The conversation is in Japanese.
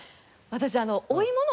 私。